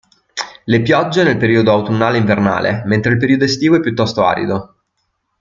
Le piogge nel periodo autunnale e invernale, mentre il periodo estivo è piuttosto arido.